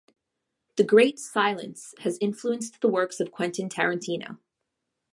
"The Great Silence" has influenced the works of Quentin Tarantino.